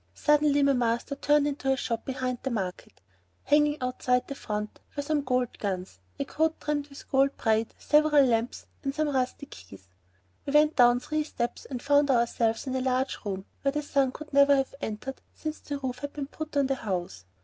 Suddenly my master turned into a shop behind the market. Hanging outside the front were some old guns, a coat trimmed with gold braid, several lamps, and some rusty keys. We went down three steps and found ourselves in a large room where the sun could never have entered since the roof had been put on the house.